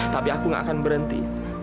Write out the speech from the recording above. tapi aku gak akan berhenti